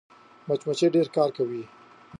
مچمچۍ ډېر کار کوي